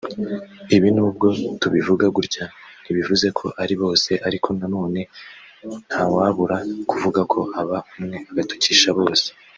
Ibi nubwo tubivuga gutya ntibivuze ko ari bose ariko nanone ntawabura kuvuga ko aba umwe agatukisha bose